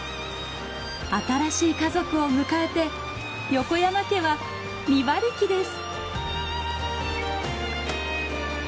新しい家族を迎えて横山家は２馬力です。